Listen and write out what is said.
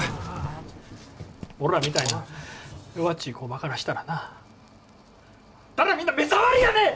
俺らみたいな弱っちい工場からしたらなあんたらみんな目障りやねん！